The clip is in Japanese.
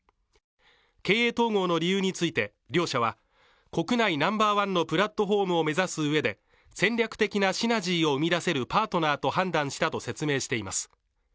経緯統合の理由について両社は、国内ナンバーワンのプラットフォームを目指すうえで戦略的なシナジーを生み出せるパートナーと判断したとしています。